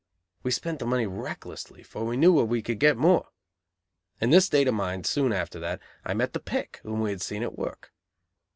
We spent the money recklessly, for we knew where we could get more. In this state of mind, soon after that, I met the "pick" whom we had seen at work.